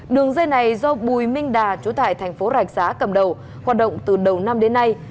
đường dây này do bùi minh đà chú tại thành phố rạch giá cầm đầu hoạt động từ đầu năm đến nay